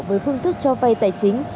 với phương thức cho vay tài chính